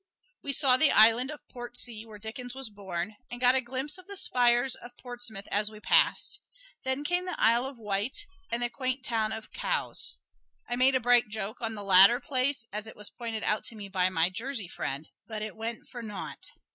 We saw the island of Portsea, where Dickens was born, and got a glimpse of the spires of Portsmouth as we passed; then came the Isle of Wight and the quaint town of Cowes. I made a bright joke on the latter place as it was pointed out to me by my Jersey friend, but it went for naught.